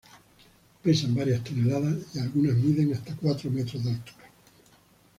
Pesan varias toneladas y algunas miden hasta cuatro metros de altura.